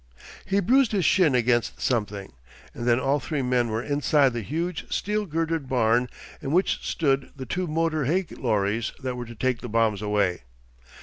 He bruised his shin against something, and then all three men were inside the huge steel girdered barn in which stood the two motor hay lorries that were to take the bombs away.